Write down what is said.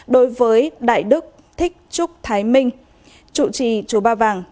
đối với đại đức thích trúc thái minh chủ trì chùa ba vàng